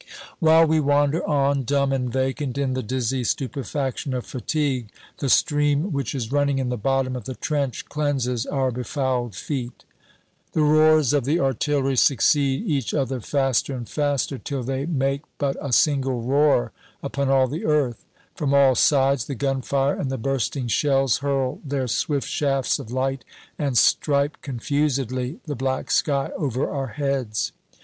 While we wander on, dumb and vacant, in the dizzy stupefaction of fatigue, the stream which is running in the bottom of the trench cleanses our befouled feet. The roars of the artillery succeed each other faster and faster, till they make but a single roar upon all the earth. From all sides the gunfire and the bursting shells hurl their swift shafts of light and stripe confusedly the black sky over our heads.